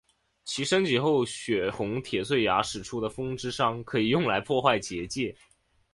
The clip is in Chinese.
其升级后血红铁碎牙使出的风之伤可以用来破坏结界。